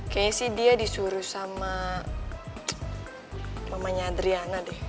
kayaknya sih dia disuruh sama mamanya adriana deh